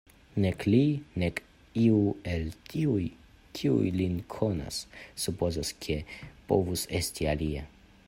Nek li, nek iu el tiuj, kiuj lin konas, supozas, ke povus esti alie.